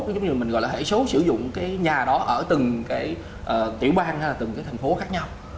ví dụ như mình gọi là hệ số sử dụng cái nhà đó ở từng cái tiểu bang hay là từng cái thành phố khác nhau